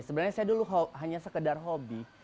sebenarnya saya dulu hanya sekedar hobi